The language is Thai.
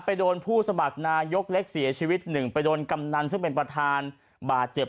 โดนผู้สมัครนายกเล็กเสียชีวิตหนึ่งไปโดนกำนันซึ่งเป็นประธานบาดเจ็บ